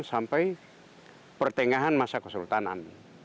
sampai pertengahan masa kesultanan